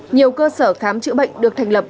nhiều cơ sở khám chữa bệnh được thành lập